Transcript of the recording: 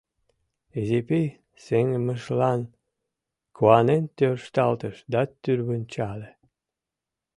Изи пий сеҥымыжлан куанен тӧршталтыш да тӱрвынчале.